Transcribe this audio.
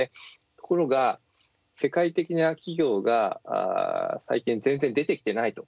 ところが、世界的な企業が最近は全然出てきてないと。